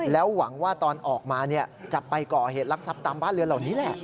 แล้วหวังว่าตอนออกมาจะไปก่อเหตุลักษัพตามบ้านเรือนเหล่านี้แหละ